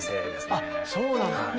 あっそうなんだ。